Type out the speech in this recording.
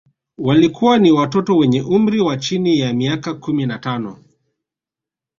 Walikuwa ni watoto wenye umri wa chini ya miaka kumi na tano